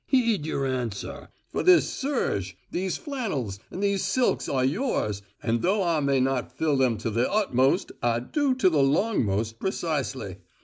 Heed your answer; for this serge, these flannels, and these silks are yours, and though I may not fill them to the utmost, I do to the longmost, precisely.